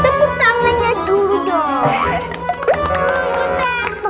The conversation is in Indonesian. tepuk tangannya dulu dong